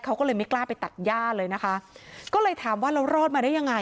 เขาก็เลยไม่กล้าไปตัดย่าเลยนะคะก็เลยถามว่าเรารอดมาได้ยังไง